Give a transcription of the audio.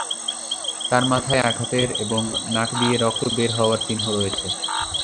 তাঁর মাথায় আঘাতের এবং নাক দিয়ে রক্ত বের হওয়ার চিহ্ন রয়েছে।